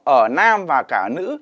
ở nam và cả nữ